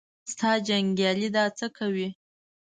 ستا جنګیالي دا څه کوي.